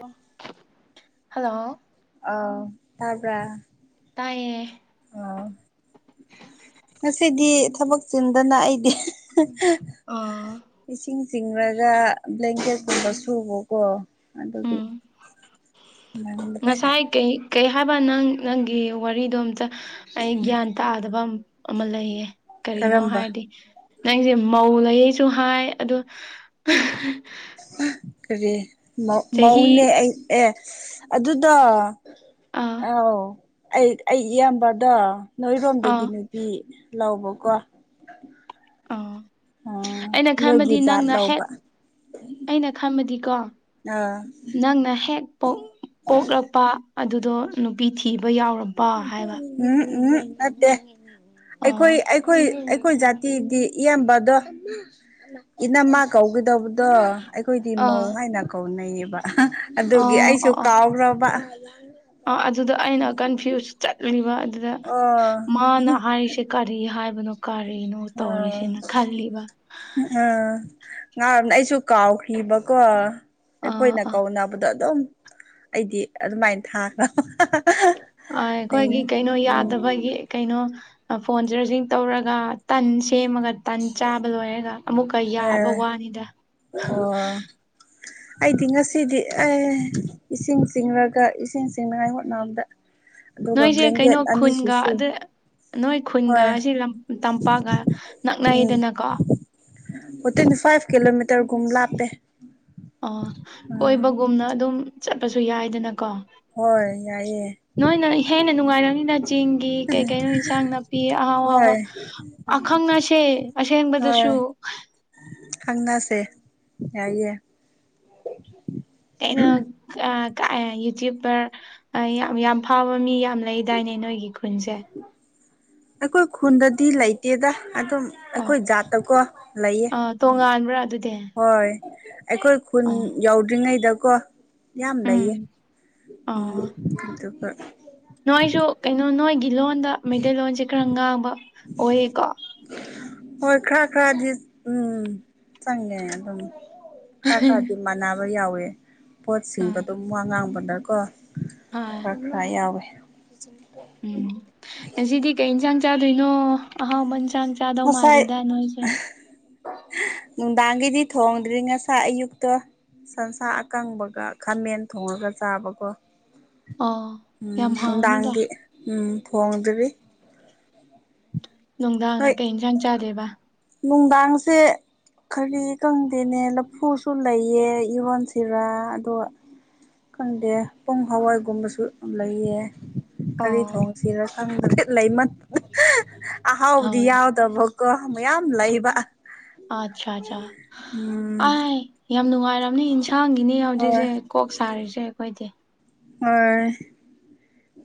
ꯑꯗꯨꯣ ꯍꯜꯂꯣ ꯑ ꯇꯥꯕ ꯇꯌꯦ ꯑꯣ ꯉꯁꯤꯗꯤ ꯊꯕꯛ ꯆꯤꯟꯗꯅ ꯑꯩꯗꯤ [unintelligible] ꯑꯥ ꯏꯁꯤꯡ ꯆꯤꯡꯉꯒ ꯕ꯭ꯂꯦꯡꯀꯦꯠꯀꯨꯝꯕ ꯁꯨꯕꯀꯣ ꯑꯗꯨꯒꯤ ꯎꯝ ꯅꯪꯗ꯭ꯔꯦ ꯉꯁꯥꯏ ꯀꯩ ꯀꯩ ꯍꯥꯏꯕ ꯅꯪ ꯅꯪꯒꯤ ꯋꯥꯔꯤꯗꯣ ꯑꯝꯇ ꯑꯩ ꯒ꯭ꯌꯥꯟ ꯇꯥꯗꯕ ꯑꯃ ꯂꯩꯌꯦ ꯀꯔꯤꯅꯣ ꯀꯔꯝꯕ ꯍꯥꯏꯗꯤ ꯅꯪꯁꯦ ꯃꯧ ꯂꯩꯌꯦꯁꯨ ꯍꯥꯏ ꯑꯗ ꯀꯔꯤ ꯆꯍꯤ ꯃꯧꯅꯦ ꯑꯩ ꯑꯦ ꯑꯗꯨꯗ ꯑꯥ ꯑꯥꯎ ꯑꯩ ꯑꯩ ꯏꯌꯥꯝꯕꯗꯣ ꯑꯥ ꯅꯣꯏꯔꯣꯝꯗꯒꯤꯅꯤ ꯄꯤꯤ ꯂꯧꯕꯀꯣ ꯑ ꯑꯥ ꯑꯩꯅ ꯅꯣꯏꯒꯤ ꯈꯟꯕꯗꯤ ꯖꯥꯠ ꯅꯪꯅ ꯍꯦꯛ ꯂꯧꯕ ꯑꯩꯅ ꯈꯟꯕꯗꯤꯀꯣ ꯑꯥ ꯅꯪꯅ ꯍꯦꯛ ꯄꯣꯛꯂꯛꯄ ꯑꯗꯨꯗꯣ ꯅꯨꯄꯤ ꯊꯤꯕ ꯌꯥꯎꯝꯕ ꯎꯝ ꯎꯝ ꯅꯠꯇꯦ ꯑꯣ ꯑꯩꯈꯣꯏ ꯑꯩꯈꯣꯏ ꯑꯩꯈꯣꯏ ꯖꯥꯇꯤꯗꯤ ꯏꯌꯥꯝꯕꯗꯣ ꯏꯅꯃ ꯀꯧꯒꯗꯕꯗꯣ ꯑꯩꯈꯣꯏꯗꯤ ꯃꯧ ꯑꯥ ꯍꯥꯏꯅ ꯀꯧꯅꯩꯌꯦꯕ ꯑꯗꯨꯒꯤ ꯑꯣ ꯑꯩꯁꯨ ꯀꯥꯎ꯭ꯔꯕ ꯑ ꯑꯗꯨꯗ ꯑꯩꯅ ꯀꯟꯐ꯭ꯌꯨꯁꯁꯨ ꯆꯠꯂꯤꯕ ꯑꯗꯨꯗ ꯑꯣ ꯃꯥꯅ ꯍꯥꯏꯔꯤꯁꯦ ꯀꯔꯤ ꯍꯥꯏꯕꯅꯣ ꯀꯔꯤꯅꯣ ꯑꯣ ꯇꯧꯔꯤꯁꯤꯅ ꯈꯜꯂꯤꯕ ꯑꯥ ꯉꯥꯔꯣꯝꯅ ꯑꯩꯁꯨ ꯀꯥꯎꯈꯤꯕꯀꯣ ꯑꯥ ꯑꯩꯈꯣꯏꯅ ꯑꯥ ꯀꯧꯅꯕꯗꯣ ꯑꯗꯨꯝ ꯑꯩꯗꯤ ꯑꯗꯨꯃꯥꯏꯅ ꯊꯥꯈ꯭ꯔꯣ ꯑ ꯑꯩꯈꯣꯏꯒꯤ ꯀꯩꯅꯣ ꯌꯥꯗꯕꯒꯤ ꯀꯩꯅꯣ ꯐꯣꯟ ꯆꯔꯖꯤꯡ ꯇꯧꯔꯒ ꯇꯟ ꯁꯦꯝꯃꯒ ꯇꯟ ꯆꯥꯕ ꯂꯣꯏꯔꯒ ꯑꯃꯨꯛ ꯀ ꯌꯥꯕ ꯋꯥꯅꯤꯗ ꯑꯣ [unintelligible] ꯑꯩꯗꯤ ꯉꯁꯤꯗꯤ ꯑꯩ ꯏꯁꯤꯡ ꯆꯤꯡꯉꯒ ꯏꯁꯤꯡ ꯆꯤꯡꯅꯉꯥꯏ ꯍꯣꯠꯅꯕꯗ ꯑꯗꯨꯒ ꯅꯣꯏꯁꯦ ꯕ꯭ꯂꯦꯡꯀꯦꯠ ꯀꯩꯅꯣ ꯑꯅꯤꯁꯨ ꯈꯨꯟꯒ ꯁꯨꯏ ꯑꯗ ꯅꯣꯏ ꯈꯨꯟꯒ ꯍꯣꯏ ꯁꯤ ꯇꯝꯄꯥꯛꯒ ꯅꯛꯅꯩꯗꯅꯀꯣ ꯋꯤꯇꯤꯟ ꯐꯥꯏꯚ ꯀꯤꯂꯣꯃꯤꯇꯔꯒꯨꯝ ꯂꯥꯞꯄꯦ ꯑꯣ ꯎꯝ ꯀꯣꯏꯕꯒꯨꯝꯅ ꯑꯗꯨꯝ ꯆꯠꯄꯁꯨ ꯌꯥꯏꯗꯅꯀꯣ ꯍꯣꯏ ꯌꯥꯏꯌꯦ ꯅꯣꯏꯅ ꯍꯦꯟꯅ ꯅꯨꯡꯉꯥꯏꯔꯅꯤꯅ ꯆꯦꯡꯒꯤ ꯀꯩ ꯀꯩꯅꯣ ꯏꯟꯁꯥꯡ ꯅꯥꯄꯤ ꯑꯍꯥꯎ ꯍꯣꯏ ꯑꯍꯥꯎꯕ ꯑꯈꯪ ꯑꯁꯦ ꯑꯁꯦꯟꯕꯗꯨꯁꯨ ꯍꯪꯒꯥꯁꯦ ꯌꯥꯏꯌꯦ ꯀꯩꯅꯣ ꯌꯨꯇ꯭ꯌꯨꯕꯄꯔ ꯌꯥꯝ ꯌꯥꯝ ꯐꯥꯕ ꯃꯤ ꯌꯥꯝꯅ ꯂꯩꯗꯥꯏꯅꯦ ꯅꯣꯏꯒꯤ ꯈꯨꯟꯁꯦ ꯑꯩꯈꯣꯏ ꯈꯨꯟꯗꯗꯤ ꯂꯩꯇꯦꯗ ꯑꯗꯨꯝ ꯑꯣ ꯑꯩꯈꯣꯏ ꯖꯥꯠꯇꯀꯣ ꯂꯩꯌꯦ ꯑ ꯑꯥ ꯇꯣꯉꯥꯟꯕ꯭ꯔꯥ ꯑꯗꯨꯗꯤ ꯍꯣꯏ ꯑꯩꯈꯣꯏ ꯈꯨꯟ ꯑꯥ ꯌꯥꯎꯗ꯭ꯔꯤꯉꯩꯗꯀꯣ ꯌꯥꯝ ꯂꯩꯌꯦ ꯎꯝ ꯎꯝ ꯑꯣ ꯑꯗꯨꯒ ꯅꯣꯏꯁꯨ ꯀꯩꯅꯣ ꯅꯣꯏꯒꯤ ꯂꯣꯟꯗ ꯃꯩꯇꯩꯂꯣꯟꯣꯟꯁꯦ ꯈꯔ ꯉꯥꯡꯕ ꯑꯣꯏꯌꯦꯀꯣ ꯍꯣꯏ ꯈꯔ ꯈꯔꯗꯤ ꯎꯝ ꯆꯪꯉꯦ ꯑꯗꯨꯝ ꯈꯔ ꯈꯔꯗꯤ ꯃꯥꯟꯅꯕ ꯌꯥꯎꯋꯦ ꯄꯣꯠꯁꯤꯡꯗꯣ ꯑꯥ ꯑꯗꯨꯝ ꯋꯥ ꯉꯥꯡꯕꯗꯀꯣ ꯍꯣꯏ ꯂꯥ ꯌꯥꯎꯋꯦ ꯎꯝ ꯉ ꯁꯤꯗꯤ ꯀꯩ ꯌꯦꯟꯁꯥꯡ ꯆꯥꯗꯣꯏꯅꯣ ꯑꯍꯥꯎꯕꯟꯁꯥꯡ ꯉꯁꯥꯏ ꯅꯨꯡꯗꯥꯥꯡꯒꯤꯗꯤ ꯊꯣꯡꯗ꯭ꯔꯤ ꯉꯁ ꯑꯌꯨꯛꯇ ꯁꯟꯁꯥ ꯑꯀꯪꯕꯒ ꯈꯥꯃꯦꯟ ꯊꯣꯡꯉꯒ ꯆꯥꯕꯀꯣ ꯑꯣ ꯎꯝ ꯌꯥꯝ ꯍꯥꯎꯅꯤꯗ ꯅꯨꯡꯗꯥꯡꯒꯤ ꯎꯝ ꯐꯣꯡꯗ꯭ꯔꯤ ꯅꯨꯡꯗꯥꯡꯅ ꯀꯩ ꯌꯦꯟꯁꯥꯡ ꯆꯥꯗꯦꯕ ꯅꯨꯡꯗꯥꯥꯡꯁꯦ ꯀꯔꯤ ꯈꯪꯗꯦꯅꯦ ꯂꯐꯨꯁꯨ ꯂꯩꯌꯦ ꯏꯔꯣꯟꯁꯤꯔꯥ ꯑꯗꯣ ꯈꯪꯗꯦ ꯄꯨꯡ ꯍꯋꯥꯏꯒꯨꯝꯕꯁꯨ ꯂꯩꯌꯦ ꯀꯔꯤ ꯑꯣ ꯊꯣꯡ ꯁꯤꯔ ꯈꯪꯗ꯭ꯔꯦ ꯂꯩ ꯑꯍꯥꯎꯕꯗꯤ ꯍꯣꯏ ꯌꯥꯎꯗꯕꯀꯣ ꯃꯌꯥꯝ ꯂꯩꯕ ꯑꯠꯆꯥ ꯑꯠꯆꯥ ꯎꯝ ꯑ ꯌꯥꯝ ꯅꯨꯡꯉꯥꯏꯝꯅꯤ ꯌꯦꯟꯁꯥꯡꯒꯤꯅꯤ ꯍꯣꯏ ꯍꯧꯖꯤꯛꯁꯦ ꯀꯣꯛ ꯁꯥꯔꯤꯁꯦ ꯑꯩꯈꯣꯏꯗꯤ ꯍ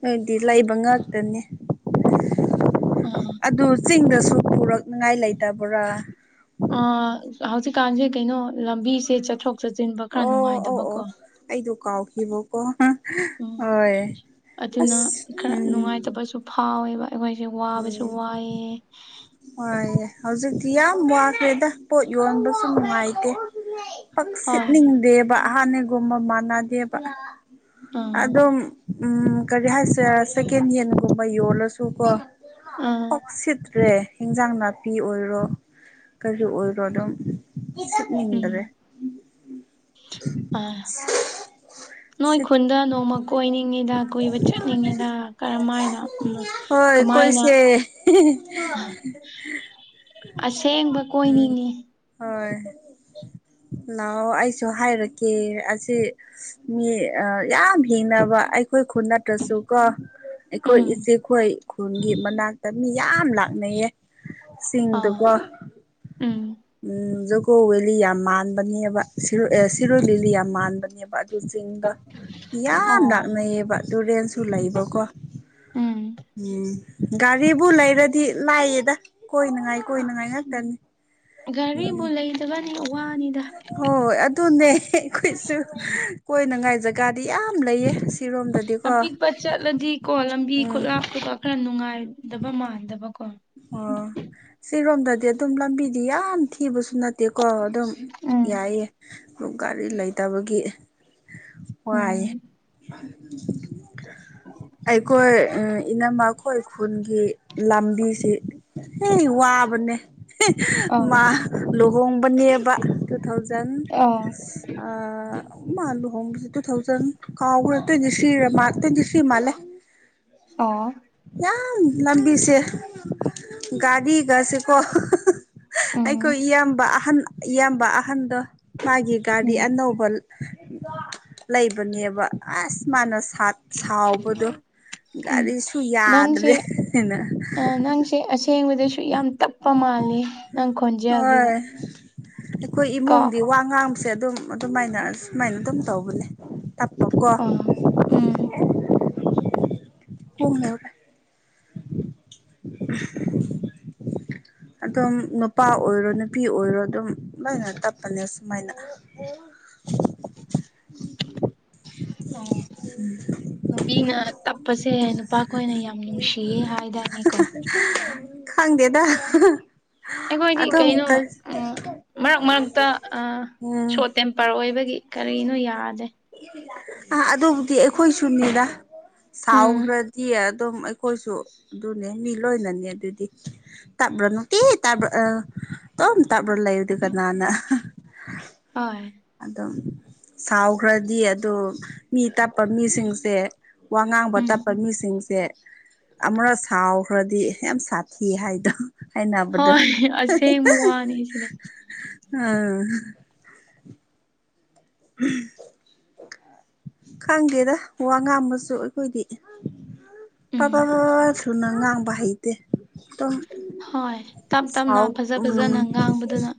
ꯑꯗꯨꯗꯤ ꯂꯩꯕ ꯉꯥꯛꯇꯅꯦ ꯑꯣ ꯑꯗꯨ ꯆꯤꯡꯗꯁꯨ ꯄꯨꯔꯛꯅꯤꯉꯥꯏ ꯂꯩꯇꯕ꯭ꯔꯥ ꯑ ꯍꯧꯖꯤꯛꯀꯥꯟꯁꯦ ꯀꯩꯅꯣ ꯂꯝꯕꯤꯁꯦ ꯆꯠꯊꯣꯛ ꯆꯠꯁꯤꯟꯕ ꯈꯔ ꯑꯣ ꯑꯣ ꯅꯨꯡꯉꯥꯏꯗꯕꯀꯣ ꯑꯣ ꯑꯩꯗꯣ ꯀꯥꯎꯈꯤꯕꯀꯣ ꯎꯝ ꯍꯣꯏ ꯑꯗꯨꯅ ꯑꯁ ꯈꯔ ꯎꯝ ꯅꯨꯡꯉꯥꯏꯇꯕꯁꯨ ꯐꯥꯎꯋꯦꯕ ꯑꯩꯈꯣꯏꯁꯦ ꯋꯥꯕꯁꯨ ꯎꯝ ꯋꯥꯏꯑꯦ ꯍꯣꯏ ꯍꯧꯖꯤꯛꯇꯤ ꯌꯥꯝ ꯋꯥꯈ꯭ꯔꯦꯗ ꯄꯣꯠ ꯌꯣꯟꯕꯁꯨ ꯅꯨꯡꯉꯥꯏꯇꯦ ꯄꯪ ꯍꯣꯏ ꯁꯤꯠꯅꯤꯡꯗꯦꯕ ꯍꯍꯥꯟꯅꯒꯨꯝꯕ ꯃꯥꯟꯅꯗꯦꯕ ꯑꯥ ꯑꯗꯨꯝ ꯎꯝ ꯀꯔꯤ ꯍꯥꯏꯁꯦ ꯁꯦꯀꯦꯟ ꯍꯦꯟꯒꯨꯝꯕ ꯌꯣꯜꯂꯁꯨ ꯀꯣ ꯑꯥ ꯑꯣꯛꯁꯤꯠ꯭ꯔ ꯍꯦꯟꯖꯥꯡ ꯅꯥꯄꯤ ꯑꯣꯏꯔꯣ ꯀꯔꯤ ꯑꯣꯏꯔꯣ ꯑꯗꯨꯝ ꯎꯗꯔꯦ ꯎꯝ ꯑ ꯅꯣꯏ ꯁꯤꯠ ꯈꯨꯟꯗ ꯅꯣꯡꯃ ꯀꯣꯏꯅꯤꯡꯉꯤꯗ ꯀꯣꯏꯕ ꯆꯠꯅꯤꯡꯉꯤꯗ ꯀꯔꯝꯃꯥꯏꯅꯅ ꯍꯣꯏ ꯀꯣꯏꯁ ꯑꯁꯦꯡꯕ ꯎꯝ ꯀꯣꯏꯅꯤꯡꯉꯤ ꯍꯣꯏ ꯂꯥꯛꯑꯣ ꯑꯩꯁꯨ ꯍꯥꯏꯔꯛꯀꯦ ꯑꯁꯤ ꯃꯤ ꯌꯥꯝ ꯍꯤꯡꯅꯕ ꯑꯩꯈꯣꯏ ꯈꯨ ꯅꯠꯇ꯭ꯔꯁꯨꯒ ꯑꯩꯈꯣꯏ ꯎꯝ ꯏꯆꯦꯈꯣꯏ ꯈꯨꯜꯒꯤ ꯃꯅꯥꯛꯇ ꯃꯤ ꯌꯥꯝ ꯂꯥꯛꯅꯩꯌꯦ ꯑꯥ ꯁꯤꯡꯗꯀꯣ ꯎꯝ ꯖꯨꯒꯣ ꯕꯦꯂꯤ ꯌꯥꯝ ꯃꯥꯟꯕꯅꯦꯕ ꯁꯤꯔꯣꯏ ꯕꯦꯂꯤ ꯌꯥꯝ ꯃꯥꯟꯕꯅꯦꯕ ꯑꯗꯨꯨ [inaudible] ꯆꯤꯡꯗ ꯌꯥꯝ ꯑꯣ ꯅꯛꯅꯩꯌꯦꯕꯥ ꯇꯨꯔꯦꯟꯁꯨ ꯂꯩꯕꯥꯀꯣ ꯎꯟ [inaudible] ꯎꯝ ꯒꯥꯔꯤꯕꯨ ꯂꯩꯔꯗꯤ ꯂꯥꯏꯌꯦꯗ ꯀꯣꯏꯅꯉꯥꯏ ꯀꯣꯏꯅꯉꯥꯏ ꯉꯥꯛꯇꯅꯤ ꯎꯝ ꯘꯥꯔꯤꯕꯨ ꯂꯩꯇꯕꯅꯤ ꯋꯥꯅꯤꯗꯥ ꯇꯨꯅꯦ ꯑꯩꯈꯣꯏꯁꯨ ꯀꯣꯏꯅꯉꯥꯏ ꯖꯒꯥꯗꯤ ꯌꯥꯝ ꯂꯩꯌꯦ ꯁꯤꯔꯣꯝꯗꯗꯤꯀꯣ ꯑꯄꯤꯛꯄ ꯆꯠꯂꯗꯤ ꯀꯣ ꯂꯝꯕꯤ ꯎꯝ ꯈꯨꯠꯂꯥꯞꯄꯒ ꯈꯔ ꯅꯨꯡꯉꯥꯏꯗꯕ ꯃꯥꯟꯗꯕ ꯀꯣ ꯑꯣ ꯁꯤꯔꯣꯝꯗꯗꯤ ꯑꯗꯨꯝ ꯂꯝꯕꯤꯗꯤ ꯌꯥꯝ ꯊꯤꯕꯁꯨ ꯅꯥꯠꯇꯦꯀꯣ ꯑꯗꯨꯝ ꯎꯝ ꯌꯥꯏꯌꯦ ꯒꯥꯔꯤ ꯂꯩꯇꯕꯒꯤ ꯋꯥꯥꯏ ꯎꯝ ꯑꯩꯈꯣꯏ ꯏꯅꯃꯈꯣꯏ ꯈꯨꯟꯒꯤ ꯂꯝꯕꯤꯁꯤ ꯍ ꯋꯥꯕꯅꯦ ꯃꯥ ꯑꯣ ꯂꯨꯍꯣꯡꯕꯅꯦ ꯇꯨ ꯊꯥꯎꯖꯟ ꯑꯣ ꯃꯥ ꯂꯨꯍꯣꯡꯕꯁꯦ ꯇꯨ ꯊꯥꯎꯖꯟ ꯀꯥꯎꯈ꯭ꯔꯥ ꯇ꯭ꯋꯦꯟꯇꯤ ꯊ꯭ꯔꯤꯔ ꯇ꯭ꯋꯦꯟꯇꯤ ꯊ꯭ꯔꯤ ꯃꯥꯜꯂꯦ ꯑ ꯌꯥꯝ ꯂꯝꯕꯤꯁꯦ ꯒꯥꯔꯤꯒꯁꯤꯦꯀꯣ ꯎꯝ ꯑꯩꯈꯣꯏ ꯏꯌꯥꯝꯕ ꯑꯍꯟ ꯏꯌꯥꯝꯕ ꯑꯍꯟꯗ ꯃꯥꯒꯤ ꯒꯥꯔꯤ ꯎꯝ ꯑꯅꯧꯕ ꯂꯩꯕꯅꯦꯕ ꯑꯁ ꯃꯥꯅ ꯁꯥꯠ ꯁꯥꯎꯕꯗꯣ ꯎꯝ ꯒꯥꯔꯤꯁꯨ ꯅꯪꯁꯦ ꯌꯥꯗ꯭ꯔꯦ ꯀꯅ [inaudible] ꯅꯪꯁꯦ ꯑꯁꯦꯡꯕꯥꯗꯁꯨ ꯌꯥꯝ ꯇꯞꯄꯥ ꯃꯥꯜꯂꯦ ꯅꯪ ꯈꯣꯟꯖꯦꯜ ꯗꯨꯗꯥ ꯍꯣꯏ ꯑꯩꯈꯣꯏ ꯏꯃꯨꯡꯗꯤ ꯋꯥ ꯉꯥꯡꯕꯁꯦ ꯑꯗꯨꯝ ꯑꯗꯨꯃꯥꯏꯅ ꯁꯨꯃꯥꯏꯅ ꯑꯗꯨꯝ ꯇꯧꯕꯥꯅꯦ ꯇꯥꯛꯄꯣꯛꯀꯣ [inaudible] ꯑꯥ ꯎꯝ ꯍ꯭ꯔ [inaudible] [unintelligible] ꯑꯗꯨꯝ ꯅꯨꯄꯥ ꯑꯣꯏꯔꯣ ꯅꯨꯄꯤ ꯑꯣꯏꯔꯣ ꯑꯗꯨꯝ ꯂꯥꯏꯅ ꯇꯞꯄꯅꯦ ꯁꯨꯃꯥꯏꯅꯥ ꯑꯣ [inaudible] ꯅꯨꯕꯤꯅ ꯇꯞꯄꯁꯦ ꯅꯨꯄꯥꯈꯣꯏꯅ ꯌꯥꯝ ꯅꯨꯡꯁꯤꯌꯦ ꯍꯥꯏꯗꯥꯏꯅꯦꯀꯣ ꯈꯪꯗꯦꯗꯥ ꯑꯩꯈꯣꯏꯗꯤ ꯀꯩꯅꯣ ꯃꯔꯛ ꯃꯔꯛꯇ ꯎꯝ ꯁꯣꯔ ꯇꯦꯝ ꯄꯔꯑꯣꯏꯕꯒꯤ ꯀꯔꯤꯅꯣ ꯌꯥꯗꯦ ꯑ ꯑꯗꯨꯕꯨꯗꯤ ꯑꯩꯈꯣꯏꯁꯨꯅꯤꯗ ꯎꯝ ꯁꯥꯎꯈ꯭ꯔꯗꯤ ꯑꯗꯨꯝ ꯈꯣꯏꯁꯨ ꯑꯗꯨꯅꯦ ꯃꯤ ꯂꯣꯏꯅꯅꯦ ꯑꯗꯨꯗꯤ ꯇꯞꯔ ꯅꯨꯇꯤ ꯇꯞꯔꯥ ꯑꯥ ꯗꯨꯝ ꯇꯞꯔ ꯂꯩꯔꯗꯤ ꯀꯅꯥꯅ ꯍꯣꯏ ꯑꯗꯨꯝ ꯑꯗꯨ ꯁꯥꯎꯈ꯭ꯔꯗꯤ ꯑꯗꯣ ꯃꯤ ꯇꯞꯄꯥ ꯃꯤꯁꯤꯡꯁꯦ ꯋꯥ ꯉꯥꯡꯕ ꯇꯞꯄꯥ ꯃꯤꯁꯤꯡꯁꯦ ꯑꯃꯨꯔꯛ ꯁꯥꯎꯈ꯭ꯔꯗꯤ ꯌꯥꯝ ꯁꯥꯊꯤ ꯍꯥꯏꯗꯣ ꯍꯥꯏꯅꯕꯗꯣ ꯍꯣꯏ ꯑꯁꯦꯡꯕ ꯋꯥꯅꯤ ꯁꯤꯅꯦ ꯈꯪꯗꯦꯗ ꯋꯥ ꯉꯥꯡꯕꯁꯨ ꯑꯩꯈꯣꯏꯗꯤ ꯎꯝ, ꯄꯔ꯭ꯕꯥꯕꯠ ꯊꯨꯅꯥ ꯉꯥꯡꯕ ꯍꯩꯇꯦ ꯗꯨꯝ ꯍꯣꯏ ꯇꯞ ꯇꯞꯅ ꯐꯖ ꯐꯖꯅ ꯎꯝ ꯉꯥꯡꯕꯗꯨꯅ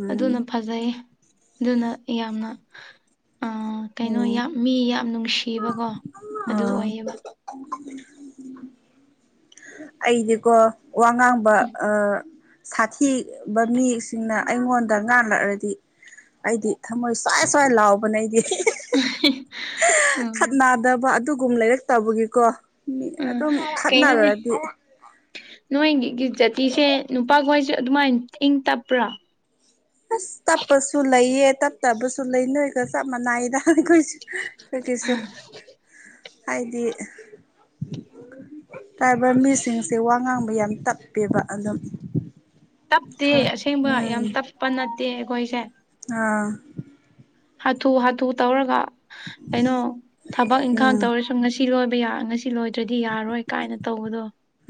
ꯎꯝ ꯑꯗꯨꯅ ꯐꯖꯩꯌꯦ ꯑꯗꯨꯅ ꯌꯥꯝꯅ ꯀꯩꯅꯣ ꯎꯝ ꯌꯥꯝ ꯃꯤ ꯌꯥꯝ ꯅꯨꯡꯁꯤꯕꯀꯣ ꯑꯗꯨ ꯑꯥ ꯑꯣꯏꯌꯦꯕꯥ ꯑꯩꯗꯤꯀꯣ ꯋꯥ ꯉꯥꯡꯕꯥ ꯎꯝ ꯑꯥ ꯁꯥꯊꯤꯕ ꯃꯤꯁꯤꯡꯅꯥ ꯑꯩꯉꯣꯟꯗ ꯉꯥꯜꯂꯛꯔꯗꯤ ꯑꯩꯗꯤ ꯊꯥꯃꯣꯏ ꯁ꯭ꯋꯥꯏ ꯁ꯭ꯋꯥꯏ ꯂꯥꯎꯕꯅꯦ ꯑꯩꯗꯤ [unintelligible] ꯎꯝ ꯈꯠꯅꯗꯕ ꯑꯗꯨꯒꯨꯝꯕ ꯂꯩꯔꯛꯇꯕꯒꯤꯀꯣ ꯃꯤ ꯎꯝ. ꯑꯗꯨꯝ ꯀꯩꯅꯣꯅꯦ ꯈꯠꯅꯔꯗꯤ ꯅꯣꯏꯒꯤ ꯖꯥꯇꯤꯁꯦ ꯅꯨꯄꯥꯈꯣꯏꯁꯨ ꯑꯗꯨꯃꯥꯏꯅ ꯏꯪ ꯇꯞꯄ꯭ꯔꯥ ꯑꯁ ꯇꯞꯄꯁꯨ ꯂꯩꯌꯦ ꯇꯞꯇꯕꯁꯨ ꯂꯩ ꯅꯣꯏꯒ ꯆꯞ ꯃꯥꯟꯅꯏꯗ ꯈꯣꯏꯁꯨ ꯈꯣꯌꯒꯤꯁꯨ ꯍꯥꯏꯗꯤ ꯀꯥꯏꯕ ꯃꯤꯁꯤꯡꯁꯦ ꯋꯥ ꯉꯥꯡꯕ ꯌꯥꯝ ꯇꯞꯄꯦꯕ ꯑꯗꯨꯝ ꯇꯞꯇꯦ ꯈꯔ ꯑꯁꯦꯡꯕ ꯎꯝ ꯌꯥꯝ ꯇꯞꯄ ꯅꯠꯇꯦ ꯑꯩꯈꯣꯏꯁꯦ ꯑꯥ ꯍꯥꯊꯨ ꯍꯥꯊꯨ ꯇꯧꯔꯒ ꯀꯩꯅꯣ ꯊꯕꯛ ꯏꯪꯈꯥꯡ ꯎꯝ ꯇꯧꯔꯤꯁꯤ ꯉꯁꯤ ꯂꯣꯏꯕ ꯌꯥ ꯉꯁꯤ ꯂꯣꯏꯗ꯭ꯔꯗꯤ ꯌꯥꯔꯣꯏ ꯀꯥꯏꯅ ꯇꯧꯕꯗꯣ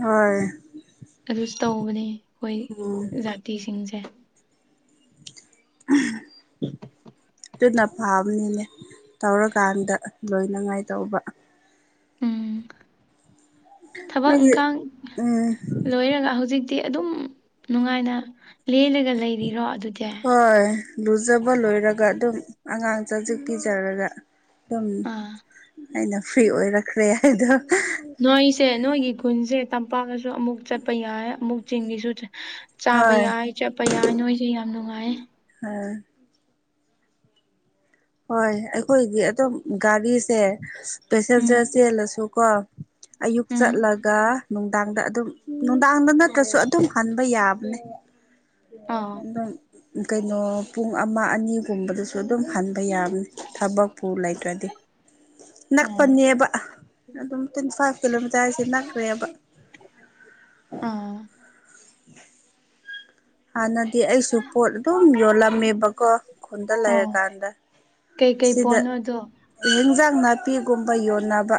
ꯍꯣꯏ ꯑꯗꯨꯁꯨ ꯇꯧꯕꯅꯦ ꯑꯩꯈꯣꯏ ꯎꯝ ꯖꯥꯇꯤꯁꯤꯡꯁꯦ [unintelligible] ꯗꯨꯅ ꯐꯥꯕꯅꯤꯅꯦ ꯇꯧꯔꯀꯥꯟꯗ ꯂꯣꯏꯅꯉꯥꯏ ꯇꯧꯕ ꯎꯝ ꯊꯕꯛ ꯅꯣꯏꯗꯤ ꯏꯪꯈꯥꯡ ꯎꯝ ꯂꯣꯏꯔꯒ ꯍꯧꯖꯤꯛꯇꯤ ꯑꯗꯨꯝ ꯅꯨꯡꯉꯥꯏꯅ ꯂꯦꯜꯂꯒꯥ ꯂꯩꯔꯤꯔꯣ ꯑꯗꯨꯗꯤ ꯍꯣꯏ ꯂꯨꯖꯕ ꯂꯣꯏꯔꯒ ꯑꯗꯨꯝ ꯑꯉꯥꯡ ꯆꯖꯤꯛ ꯄꯤꯖꯔꯒꯥ ꯑꯗꯨꯝ ꯑꯥ ꯑꯩꯅ ꯐ꯭ꯔꯤ ꯑꯣꯏꯔꯛꯈ꯭ꯔꯦ ꯍꯥꯏꯗꯣ ꯅꯣꯏꯁꯦ ꯅꯣꯏꯒꯤ ꯈꯨꯟꯁꯦ ꯇꯝꯄꯥꯛꯀꯁꯨ ꯑꯃꯨꯛ ꯆꯠꯄ ꯌꯥꯏ ꯑꯃꯨꯛ ꯆꯤꯡꯒꯤꯁꯨ ꯆꯥꯕ ꯍꯣꯏ ꯌꯥꯏ ꯆꯠꯄ ꯌꯥꯏ ꯅꯣꯏꯁꯦ ꯌꯥꯝ ꯅꯨꯡꯉꯥꯏꯌꯦ ꯑ ꯍꯣꯏ ꯑꯩꯈꯣꯏꯗꯤ ꯑꯗꯨꯝ ꯒꯥꯔꯤꯁꯦ ꯎꯝ ꯄꯦꯁꯦꯟꯖꯔ ꯆꯦꯜꯂꯁꯨꯀꯣ ꯑꯌꯨꯛ ꯎꯝ ꯆꯠꯂꯒ ꯅꯨꯡꯗꯥꯡꯗ ꯑꯗꯨꯝ ꯅꯨꯡꯗꯥꯡꯗ ꯅꯠꯇ꯭ꯔꯁꯨ ꯑꯗꯨꯝ ꯍꯟꯕ ꯌꯥꯕꯅꯦ [inaudible] ꯑꯥ ꯑꯗꯨꯝ ꯀꯩꯅꯣ ꯄꯨꯡ ꯑꯃ ꯑꯅꯤꯒꯨꯝꯕꯗꯁꯨ ꯑꯗꯨꯝ ꯍꯟ ꯕ ꯌꯥꯕꯅꯤ ꯊꯕꯛꯄꯨ ꯂꯩꯇ꯭ꯔꯗꯤ ꯑꯥ ꯅꯛꯄꯅꯦꯕ ꯑꯗꯨꯝ ꯇ꯭ꯋꯦꯟꯇꯤ ꯐꯥꯏꯚ ꯀꯤꯂꯣꯃꯤꯇꯔꯁꯦ ꯅꯛꯈ꯭ꯔꯦꯕ ꯑꯥ ꯍꯥꯟꯅꯗꯤ ꯑꯩꯁꯨ ꯄꯣꯠ ꯑꯗꯨꯝ ꯌꯣꯜꯂꯝꯃꯦꯕ ꯀꯣ ꯈꯨꯟꯗ ꯑꯥ ꯂꯩꯔꯀꯥꯟꯗ ꯀꯩꯀꯩ ꯁꯤꯗ ꯄꯣꯠꯅꯣꯗꯣ ꯍꯦꯟꯖꯥꯡ ꯅꯥꯄꯤꯒꯨꯝꯕ ꯌꯣꯟꯅꯕ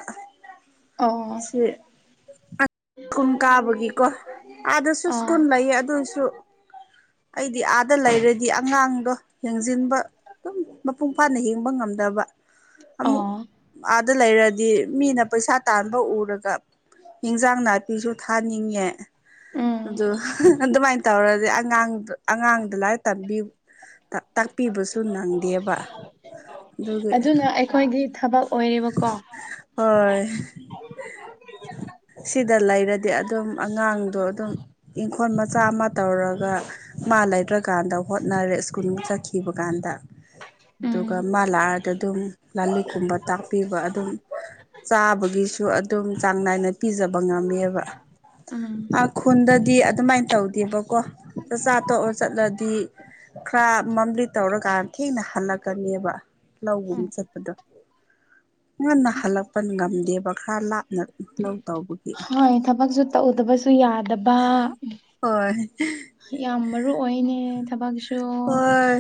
ꯑꯣ ꯁꯤ ꯁ꯭ꯀꯨꯜ ꯀꯥꯕꯒꯤꯀꯣ ꯑꯥꯗꯁꯨ ꯑꯣ ꯁ꯭ꯀꯨꯜ ꯂꯩꯌꯦ ꯑꯗꯨꯁꯨ ꯑꯩꯗꯤ ꯑꯥꯗ ꯂꯩꯔꯗꯤ ꯑꯉꯥꯡꯗꯣ ꯌꯦꯡꯁꯤꯟꯕ ꯑꯗꯨꯝ ꯃꯄꯨꯡ ꯐꯥꯅ ꯍꯤꯡꯕ ꯉꯝꯗꯕ ꯑꯃꯨꯛ ꯑꯣ ꯑꯥꯗ ꯂꯩꯔꯗꯤ ꯃꯤꯅ ꯄꯩꯁꯥ ꯇꯥꯟꯕ ꯎꯔꯒ ꯌꯦꯟꯖꯥꯡ ꯅꯥꯄꯤꯁꯨ ꯊꯥꯅꯤꯡꯉꯦ ꯎꯝ ꯑꯗꯨ ꯑꯗꯨꯃꯥꯏꯅ ꯇꯧꯔꯗꯤ ꯑꯉꯥꯡ ꯑꯉꯥꯡꯗ ꯂꯥꯏꯔꯤꯛ ꯇꯝꯕꯤ ꯇꯥꯛꯄꯤꯕꯁꯨ ꯅꯪꯗꯦꯕ ꯑꯗꯨꯒ ꯑꯩꯈꯣꯏꯒꯤ ꯊꯕꯛ ꯑꯣꯏꯔꯤꯕꯀꯣ ꯍꯣꯏ ꯁꯤꯗ ꯂꯩꯔꯗꯤ ꯑꯗꯨꯝ ꯑꯉꯥꯡꯗꯣ ꯑꯗꯨꯝ ꯏꯪꯈꯣꯜ ꯃꯆꯥ ꯑꯃ ꯇꯧꯔꯒ ꯃꯥ ꯂꯩꯗ꯭ꯔꯀꯥꯟꯗ ꯍꯣꯠꯅꯔꯦ ꯁ꯭ꯀꯨꯜ ꯆꯠꯈꯤꯕ ꯀꯥꯟꯗ ꯑꯗꯨꯒ ꯎꯝ ꯃꯥ ꯂꯥꯛꯑꯗ ꯑꯗꯨꯝ ꯀꯨꯝꯕ ꯇꯥꯛꯄꯤꯕ ꯑꯗꯨꯝ ꯆꯥꯕꯒꯤꯁꯨ ꯑꯗꯨꯝ ꯆꯥꯡ ꯅꯥꯏꯅ ꯄꯤꯖꯕ ꯉꯝꯃꯦꯕ ꯎꯝ ꯈꯨꯟꯗꯗꯤ ꯑꯗꯨꯃꯥꯏꯅ ꯇꯧꯗꯦꯕꯀꯣ ꯆꯥꯛ ꯇꯣꯛꯑ ꯆꯠꯂꯗꯤ ꯈꯔ ꯃꯝꯂꯤ ꯇꯧꯔꯀꯥꯟ ꯊꯦꯡꯅ ꯍꯜꯂꯛꯀꯅꯦꯕ ꯂꯧꯒꯨꯝ ꯆꯠꯄꯗꯣ ꯉꯟꯅ ꯍꯜꯂꯛꯄ ꯉꯝꯗꯦꯕ ꯈꯔ ꯂꯥꯞꯅ ꯂꯧ ꯇꯧꯕꯒꯤ ꯍꯣꯏ ꯊꯕꯛꯁꯨ ꯇꯧꯗꯕꯁꯨ ꯌꯥꯗꯕ ꯍꯣꯏ ꯌꯥꯝ ꯃꯔꯨ ꯑꯣꯏꯅꯦ ꯊꯕꯛꯁꯨ ꯍꯣꯏ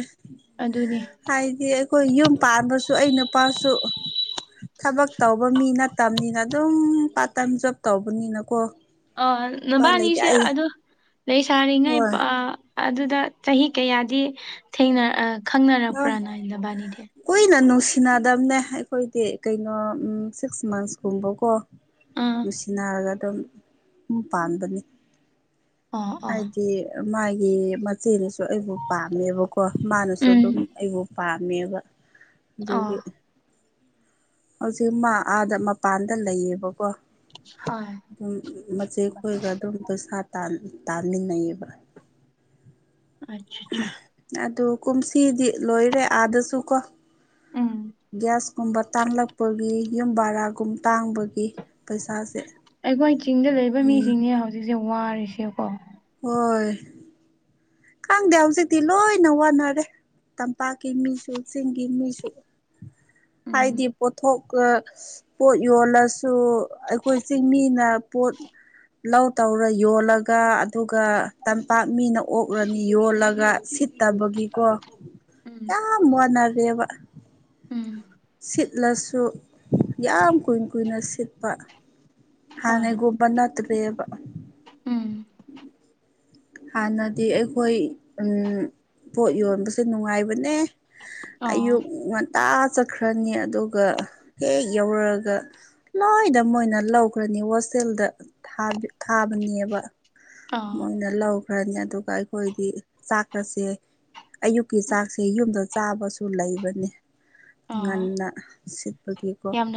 ꯑꯗꯨꯅꯤ ꯍꯥꯏꯗꯤ ꯑꯩꯈꯣꯏ ꯌꯨꯝ ꯄꯥꯟꯕꯁꯨ ꯑꯩ ꯅꯨꯄꯥꯁꯨ ꯊꯕꯛ ꯇꯧꯕ ꯃꯤ ꯅꯠꯇꯕꯅꯤꯅ ꯑꯗꯨꯝ ꯄꯥꯔꯠ ꯇꯥꯏꯃ ꯖꯣꯕ ꯇꯧꯕꯅꯤꯅꯀꯣ ꯑ ꯎꯄꯥꯏ ꯂꯩꯇꯦ ꯅꯕꯥꯅꯤꯁꯦ ꯑꯩ ꯑꯗꯨ ꯂꯩ ꯁꯥꯔꯤꯉꯩ ꯍꯣꯏ ꯑꯗꯨꯗ ꯆꯍꯤ ꯀꯌꯥꯗꯤ ꯊꯦꯡꯅ ꯑ ꯈꯪꯅꯔꯛꯄ꯭ꯔ ꯅꯗꯕꯥꯅꯤꯗꯤ ꯀꯨꯏꯅ ꯅꯨꯡꯁꯤꯅꯗꯝꯅꯦ ꯑꯩꯈꯣꯏꯗꯤ ꯀꯩꯅꯣ ꯁꯤꯛꯁ ꯃꯟꯁꯀꯨꯝꯕꯀꯣ ꯑꯥ ꯅꯨꯡꯁꯤꯅꯔꯒ ꯑꯗꯨꯝ ꯄꯥꯟꯕꯅꯤ ꯑꯣ ꯑꯣ ꯍꯥꯏꯗꯤ ꯃꯥꯒꯤ ꯃꯆꯦꯅꯁꯨ ꯑꯩꯕꯨ ꯄꯥꯝꯃꯦꯕꯀꯣ ꯃꯥꯅꯁꯨ ꯎꯝ ꯑꯗꯨꯝ ꯑꯩꯕꯨ ꯄꯥꯝꯃꯦꯕ ꯑꯣ ꯑꯗꯨꯒꯤ ꯍꯧꯖꯤꯛ ꯃꯥ ꯑꯥꯗ ꯃꯄꯥꯟꯗ ꯂꯩꯌꯦꯕꯀꯣ ꯍꯣꯏ ꯑꯗꯨꯝ ꯃꯆꯦ ꯈꯣꯏꯒ ꯑꯗꯨꯝ ꯄꯩꯁꯥ ꯇꯥꯃꯤꯟꯅꯩꯌꯦꯕ ꯑꯆꯥ ꯆꯥ ꯑꯗꯨ ꯀꯨꯝꯁꯤꯗꯤ ꯂꯣꯏꯔꯦ ꯑꯥꯗꯁꯨ ꯀꯣ ꯎꯝ ꯒ꯭ꯌꯥꯁꯀꯨꯝꯕ ꯇꯥꯟꯂꯛꯄꯒꯤ ꯌꯨꯝ ꯕꯔꯥꯒꯨꯝ ꯇꯥꯡꯕꯒꯤ ꯄꯩꯁꯥꯁꯦ ꯑꯩꯈꯣꯏ ꯆꯤꯡꯗ ꯂꯩꯕ ꯎꯝ ꯃꯤꯁꯤꯡꯅꯦ ꯍꯧꯖꯤꯛꯁꯦ ꯋꯥꯔꯤꯁꯦꯀꯣ ꯍꯣꯏ ꯈꯪꯗꯦ ꯍꯧꯖꯤꯛꯇꯤ ꯂꯣꯏꯅ ꯋꯥꯅꯔꯦ ꯇꯝꯄꯥꯛꯀꯤ ꯃꯤꯁꯨ ꯆꯤꯡꯒꯤ ꯃꯤꯁꯨ ꯎꯝ ꯍꯥꯏꯗꯤ ꯄꯣꯠꯊꯣꯛ ꯄꯣꯠ ꯌꯣꯜꯂꯁꯨ ꯑꯩꯈꯣꯏ ꯆꯤꯡꯃꯤꯅ ꯄꯣꯠ ꯂꯧ ꯇꯧꯔ ꯌꯣꯜꯂꯒ ꯑꯗꯨꯒ ꯇꯝꯄꯥꯛ ꯃꯤꯅ ꯑꯣꯛꯂꯅꯤ ꯌꯣꯜꯂꯒ ꯁꯤꯠ ꯇꯥꯕꯒꯤꯀꯣ ꯎꯝ ꯌꯥꯝ ꯋꯥꯅꯔꯦꯕ ꯎꯝ ꯁꯤꯠꯂꯁꯨ ꯌꯥꯝ ꯀꯨꯏꯅ ꯀꯨꯏꯅ ꯁꯤꯠꯄ ꯍꯣꯏ ꯍꯥꯟꯅꯒꯨꯝꯕ ꯅꯠꯇ꯭ꯔꯦꯕ ꯎꯝ ꯍꯥꯟꯅꯗꯤ ꯑꯩꯈꯣꯏ ꯄꯣꯠ ꯌꯣꯟꯕꯁꯦ ꯅꯨꯡꯉꯥꯏꯕꯅꯦ ꯑꯣ ꯑꯌꯨꯛ ꯉꯟꯇꯥ ꯆꯠꯈ꯭ꯔꯅꯤ ꯑꯗꯨꯒ ꯍꯦꯛ ꯌꯧꯔꯒ ꯂꯣꯏꯗ ꯃꯣꯏꯅ ꯂꯧꯈ꯭ꯔꯅꯤ ꯍꯣꯁꯇꯦꯜꯗ ꯊꯥꯕꯅꯦꯕ ꯑ ꯑꯣꯏꯅ ꯂꯧꯈ꯭ꯔꯅꯤ ꯑꯗꯨꯒ ꯑꯩꯈꯣꯏꯗꯤ ꯆꯥꯛꯀꯁꯦ ꯑꯌꯨꯛꯀꯤ ꯆꯥꯛꯁꯦ ꯌꯨꯝꯗ ꯆꯥꯕꯁꯨ ꯂꯩꯕꯅꯦ ꯑꯣ ꯉꯟꯅ ꯁꯤꯠꯄꯒꯤꯀꯣ ꯌꯥꯝꯅ